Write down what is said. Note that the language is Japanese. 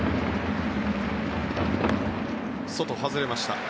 外、外れました。